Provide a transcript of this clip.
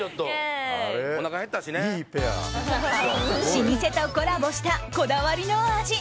老舗とコラボしたこだわりの味。